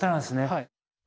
はい。